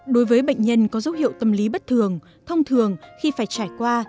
đối với bệnh nhân có dấu hiệu tâm lý bất thường thông thường khi phải trải qua